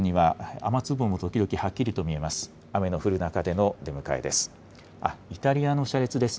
雨の降る中での出迎えです。